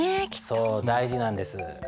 そう大事なんです。